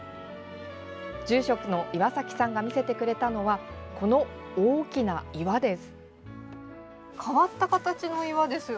住職の岩崎さんが見せてくれたのはこの大きな岩です。